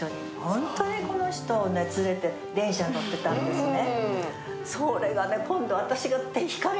本当にこの人を連れて、電車に乗ってたんですね。